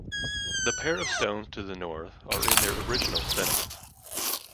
The pair of stones to the north are in their original settings.